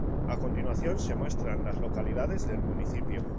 A continuación se muestran las localidades del municipio